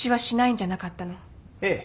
ええ。